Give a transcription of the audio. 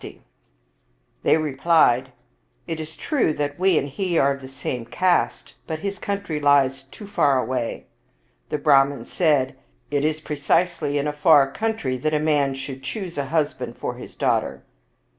52 Visakha They replied, " It is true that we and he are of the same caste, but his country lies too far away." The Brahman said, " It is precisely in a far away country that a man should choose a husband for his daughter."